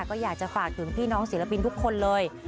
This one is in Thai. ก็อยากจะฝากถึงพี่น้องศิลปินทุกคนเลย